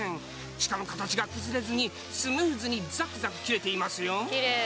しかも形が崩れずにスムーズにザクザク切れていますよ。